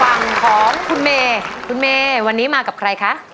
ฝั่งของคุณเมย์คุณเมย์วันนี้มากับใครคะ